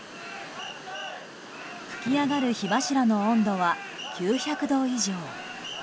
噴き上がる火柱の温度は９００度以上。